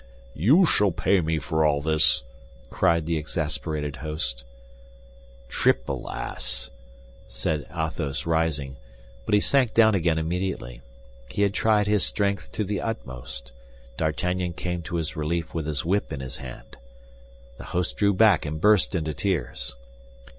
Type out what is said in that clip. "You shall pay me for all this," cried the exasperated host. "Triple ass!" said Athos, rising; but he sank down again immediately. He had tried his strength to the utmost. D'Artagnan came to his relief with his whip in his hand. The host drew back and burst into tears.